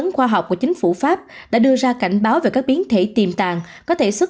khoa học của chính phủ pháp đã đưa ra cảnh báo về các biến thể tiềm tàng có thể xuất